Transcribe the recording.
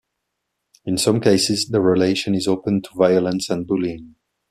In some cases, the relation is open to violence and bullying.